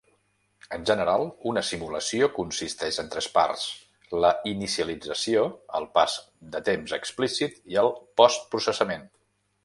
En general, una simulació consisteix en tres parts: la inicialització, el pas de temps explícit i el post-processament.